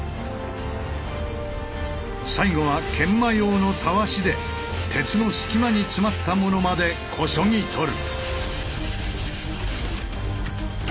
最後は研磨用のタワシで鉄の隙間に詰まったものまでこそぎ取る。